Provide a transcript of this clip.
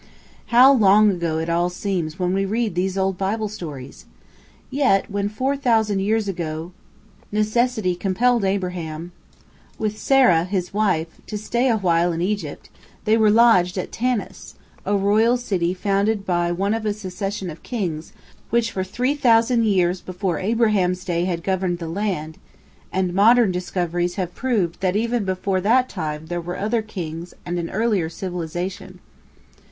How long ago it all seems when we read these old Bible stories! Yet, when 4,000 years ago necessity compelled Abraham, with Sarah his wife, to stay awhile in Egypt, they were lodged at Tanis, a royal city founded by one of a succession of kings which for 3,000 years before Abraham's day had governed the land, and modern discoveries have proved that even before that time there were other kings and an earlier civilization.